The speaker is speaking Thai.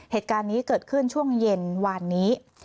เหตุการณ์นี้เกิดขึ้นช่วงเย็นวานนี้